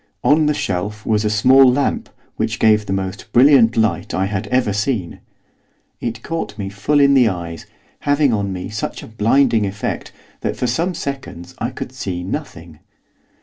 On the shelf was a small lamp which gave the most brilliant light I had ever seen. It caught me full in the eyes, having on me such a blinding effect that for some seconds I could see nothing.